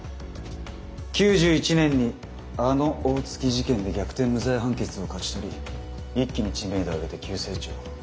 ９１年にあの大月事件で逆転無罪判決を勝ち取り一気に知名度を上げて急成長。